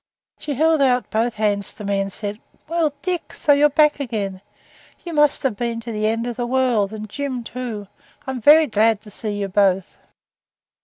She held out both hands to me and said 'Well, Dick, so you're back again. You must have been to the end of the world, and Jim, too. I'm very glad to see you both.'